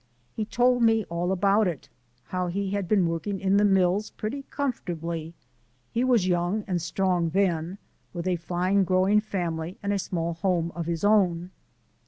He told me all about it, how he had been working in the mills pretty comfortably he was young and strong then; with a fine growing family and a small home of his own.